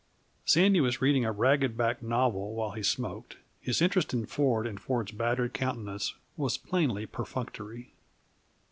Sandy was reading a ragged backed novel while he smoked; his interest in Ford and Ford's battered countenance was plainly perfunctory.